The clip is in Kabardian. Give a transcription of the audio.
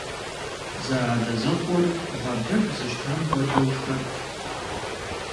Зэадэзэкъуэр гъаблэгу зыщтам хуэдэу шхэрт.